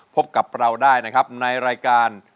พบกับเราได้ในรายการ